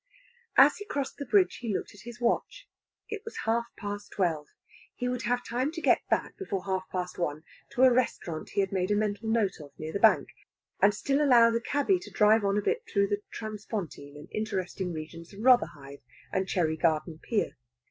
As he crossed the Bridge he looked at his watch. It was half past twelve. He would have time to get back before half past one to a restaurant he had made a mental note of near the Bank, and still to allow the cabby to drive on a bit through the transpontine and interesting regions of Rotherhithe and Cherry Garden Pier.